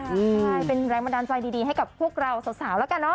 ใช่เป็นแรงบันดาลใจดีให้กับพวกเราสาวแล้วกันเนอ